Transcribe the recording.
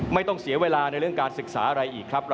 ไม่ต้องเสียเวลาในเรื่องการศึกษาอะไรอีกครับ